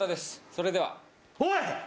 それでは。